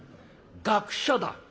学者だ。